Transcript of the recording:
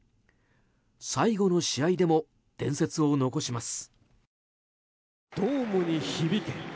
最後の試合でも伝説を残します。